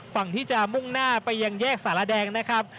ฝั่งที่จะมุ่งหน้าไปยังแยกสารแดงนะครับ